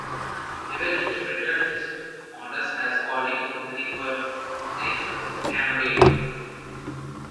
Ewell interpreted his orders as calling only for a cannonade.